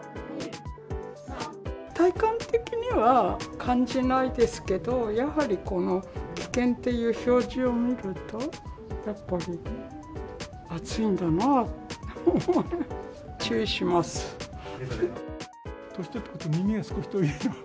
体感的には感じないですけど、やはりこの危険という表示を見ると、やっぱり暑いんだなって思います。